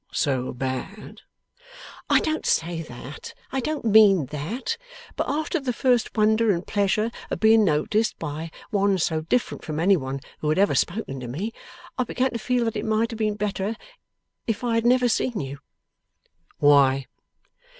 So bad?' 'I don't say that. I don't mean that. But after the first wonder and pleasure of being noticed by one so different from any one who had ever spoken to me, I began to feel that it might have been better if I had never seen you.' 'Why?